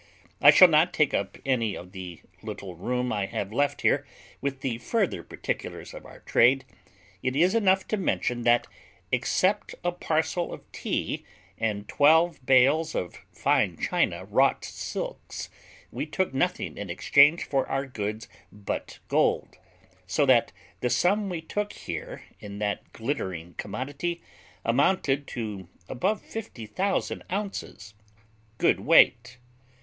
I shall not take up any of the little room I have left here with the further particulars of our trade; it is enough to mention, that, except a parcel of tea, and twelve bales of fine China wrought silks, we took nothing in exchange for our goods but gold; so that the sum we took here in that glittering commodity amounted to above fifty thousand ounces good weight.